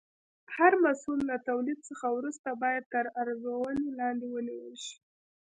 هر محصول له تولید څخه وروسته باید تر ارزونې لاندې ونیول شي.